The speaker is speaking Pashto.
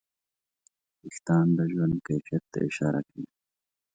وېښتيان د ژوند کیفیت ته اشاره کوي.